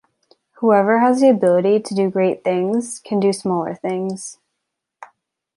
Whoever has the ability to do great things can do smaller things.